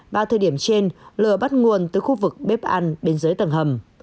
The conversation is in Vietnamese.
bao thời điểm trên lừa bắt nguồn từ khu vực bếp ăn bên dưới tầng hầm